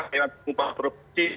dengan pengumpuhan provinsi